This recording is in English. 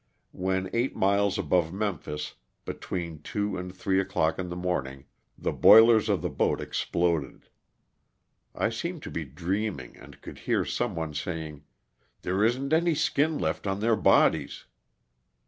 When eight miles above Memphis, between two and three o'clock in the morning, the boilers of the boat exploded. I seemed to be dreaming and could hear some one saying, *' there isn't any skin left on their bodies.''